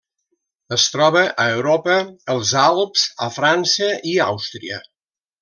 Es troba a Europa: els Alps a França i Àustria.